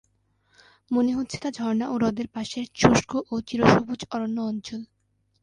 মনে হচ্ছে তা ঝর্ণা ও হ্রদের পাশের শুষ্ক ও চিরসবুজ অরণ্য অঞ্চল।